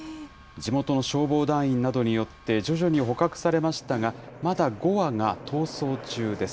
地元の消防団員などによって徐々に捕獲されましたが、まだ５羽が逃走中です。